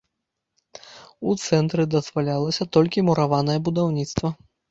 У цэнтры дазвалялася толькі мураванае будаўніцтва.